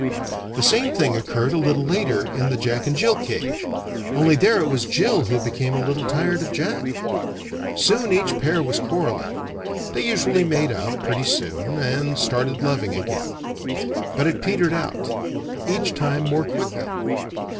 The same thing occurred a little later in the Jack and Jill cage, only there it was Jill who became a little tired of Jack. Soon each pair was quarreling. They usually made up, pretty soon, and started loving again. But it petered out; each time more quickly.